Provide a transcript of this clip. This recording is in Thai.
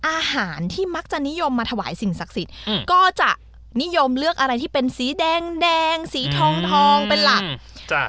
อาหารที่มักจะนิยมมาถวายสิ่งศักดิ์สิทธิ์ก็จะนิยมเลือกอะไรที่เป็นสีแดงแดงสีทองทองเป็นหลัก